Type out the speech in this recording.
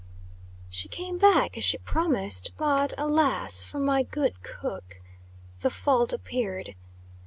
She came back, as she promised, but, alas for my good cook! The fault appeared.